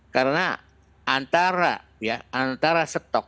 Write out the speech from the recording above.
karena antara ya antara stok